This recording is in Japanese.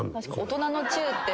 大人のチューって。